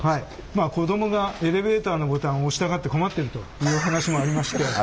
まあ子どもがエレベーターのボタンを押したがって困ってるというお話もありまして。